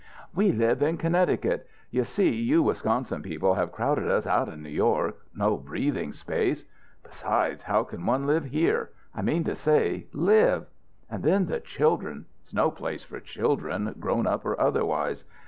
We live in Connecticut. You see, you Wisconsin people have crowded us out of New York; no breathing space. Besides, how can one live here? I mean to say live. And then the children it's no place for children, grown up or otherwise.